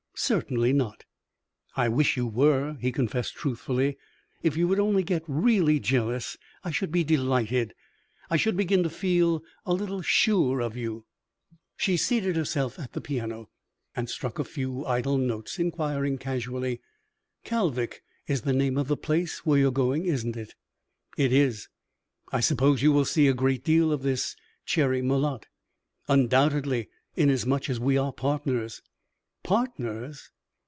Certainly not." "I wish you were," he confessed, truthfully. "If you would only get really jealous, I should be delighted. I should begin to feel a little sure of you." She seated herself at the piano and struck a few idle notes, inquiring, casually: "Kalvik is the name of the place where you are going, isn't it?" "It is." "I suppose you will see a great deal of this Cherry Malotte?" "Undoubtedly, inasmuch as we are partners." "Partners!"